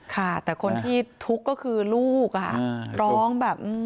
ค่ะแต่คนที่ทุกข์ก็คือลูกร้องแบบ